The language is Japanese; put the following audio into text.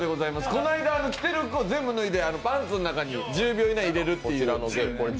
この間、着ている服を全部パンツの中に１０秒以内に入れるっていう。